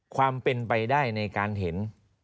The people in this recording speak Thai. ความเป็นไปได้ในการเห็น